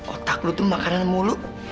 otak lo tuh makanan mulu